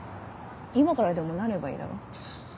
今からでもなればいいだろ。